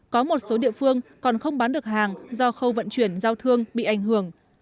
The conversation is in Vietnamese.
có một số địa phương còn không bán được hàng do khâu vận chuyển giao thương bị ảnh hưởng